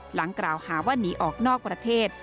หลังกล่าวหาว่าหนีออกนอกประเทศ